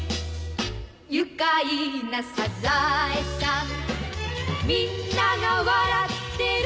「愉快なサザエさん」「みんなが笑ってる」